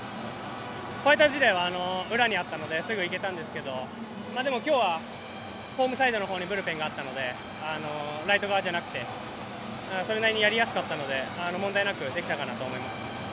ファイターズ時代は裏にあったのですぐに行けたんですけどでも今日はホームサイドのほうにブルペンがあったのでライト側じゃなくてそれなりにやりやすかったので問題なくできたかなと思います。